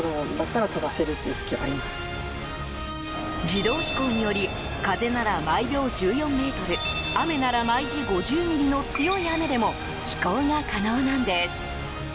自動飛行により風なら毎秒１４メートル雨なら毎時５０ミリの強い雨でも飛行が可能なんです。